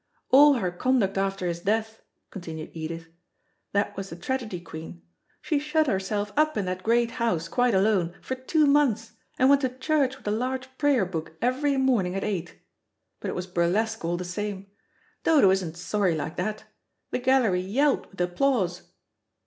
"All her conduct after his death," continued Edith, "that was the tragedy queen; she shut herself up in that great house, quite alone, for two months, and went to church with a large prayer book every morning, at eight. But it was burlesque all the same. Dodo isn't sorry like that. The gallery yelled with applause."